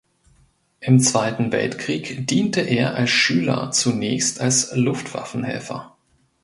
Im Zweiten Weltkrieg diente er als Schüler zunächst als Luftwaffenhelfer.